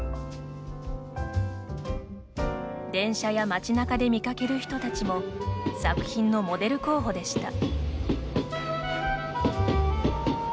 電車や町なかで見かける人たちも作品のモデル候補でした。